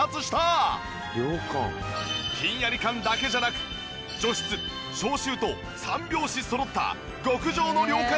ひんやり感だけじゃなく除湿消臭と三拍子そろった極上の涼感